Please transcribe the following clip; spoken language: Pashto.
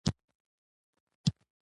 ډېره تکیه په منطق کول دویم لوی خنډ دی.